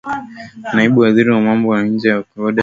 naibu waziri wa mambo ya nje wa ecuador kindo luka